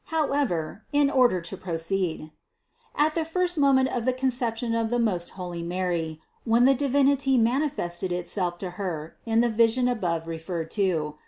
However, in order to proceed : At the first mo ment of the Conception of the most holy Mary, when the Divinity manifested Itself to Her in the vision above referred to (No.